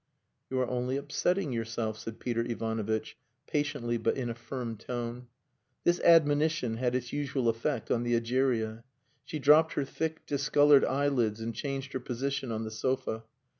"You are only upsetting yourself," said Peter Ivanovitch, patiently but in a firm tone. This admonition had its usual effect on the Egeria. She dropped her thick, discoloured eyelids and changed her position on the sofa.